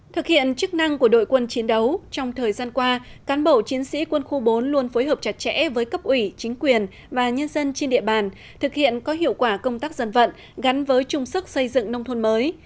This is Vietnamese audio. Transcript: thực hiện chức năng của đội quân chiến đấu trong thời gian qua cán bộ chiến sĩ quân khu bốn luôn phối hợp chặt chẽ với cấp ủy chính quyền và nhân dân trên địa bàn thực hiện có hiệu quả công tác dân vận gắn với trung sức xây dựng nông thôn mới